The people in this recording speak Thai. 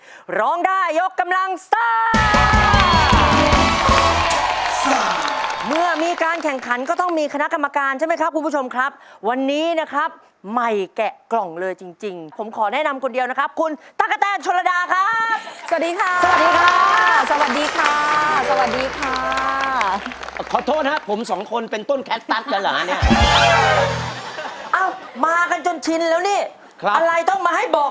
ร้องด้ายกำลังซ่า